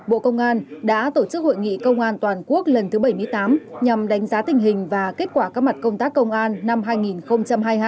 bộ công an đã tổ chức hội nghị công an toàn quốc lần thứ bảy mươi tám nhằm đánh giá tình hình và kết quả các mặt công tác công an năm hai nghìn hai mươi hai